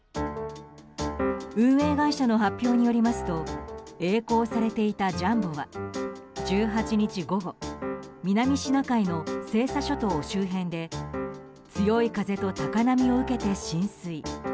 運営会社の発表によりますと曳航されていた「ジャンボ」は１８日午後南シナ海の西沙諸島周辺で強い風と高波を受けて浸水。